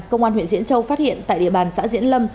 công an huyện diễn châu phát hiện tại địa bàn xã diễn lâm